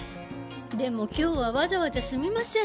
でも今日はわざわざすみません。